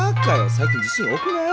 最近地震多くない？